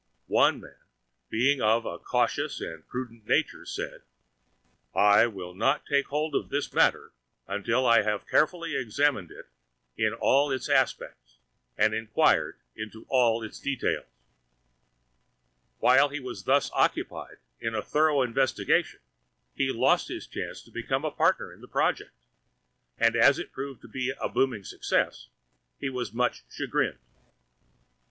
One Man, being of a Cautious and Prudent Nature, said: "I will not Take Hold of this Matter until I have Carefully Examined it in All its Aspects and Inquired into All its Details." While he was thus Occupied in a thorough Investigation he Lost his Chance of becoming a Partner in the Project, and as It proved to be a Booming Success, he was Much Chagrined.